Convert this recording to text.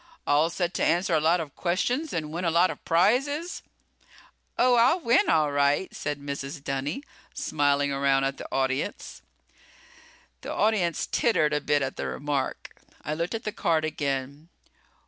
"All set to answer a lot of questions and win a lot of prizes?" "Oh, I'll win all right," said Mrs. Dunny, smiling around at the audience. The audience tittered a bit at the remark. I looked at the card again.